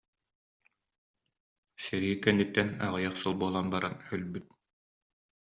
Сэрии кэнниттэн аҕыйах сыл буолан баран өлбүт